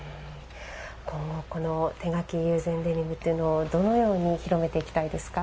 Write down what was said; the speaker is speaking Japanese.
今後この手描き友禅デニムというのをどのように広めていきたいですか。